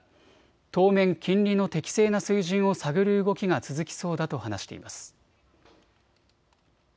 当面、金利の適正な水準を探る動きが続きそうだと話しています。